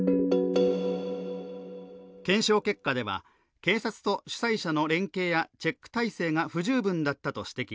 検証結果では、警察と主催者の連携やチェック体制が不十分だったと指摘。